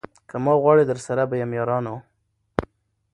که ما غواړی درسره به یم یارانو